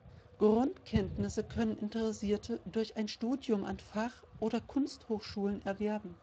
Grundkenntnisse können Interessierte durch ein Studium an Fach- oder Kunsthochschulen erwerben.